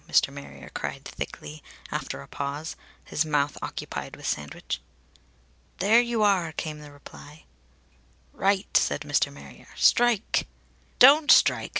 Mr. Marrier cried thickly, after a pause, his mouth occupied with sandwich. "There you are!" came the reply. "Right!" said Mr. Marrier. "Strike!" "Don't strike!"